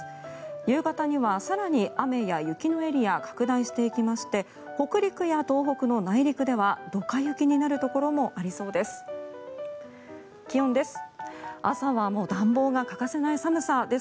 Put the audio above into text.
夕方には更に雨や雪のエリアが拡大していきまして北陸や東北の内陸ではドカ雪になるところもありそうです。